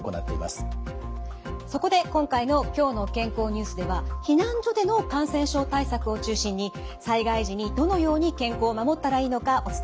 そこで今回の「きょうの健康ニュース」では避難所での感染症対策を中心に災害時にどのように健康を守ったらいいのかお伝えしていきます。